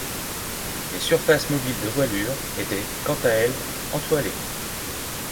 Les surfaces mobiles de voilure étaient quant à elles entoilées.